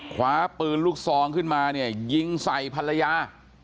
คว้าปืนลูกซองขึ้นมาเนี่ยยิงใส่ภรรยา